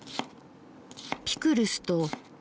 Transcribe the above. ピクルスと。